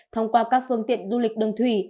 thông qua các phương tiện du lịch đường thủy